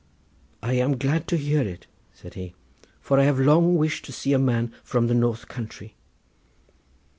"I am glad to hear it," said he, "for I have long wished to see a man from the north country."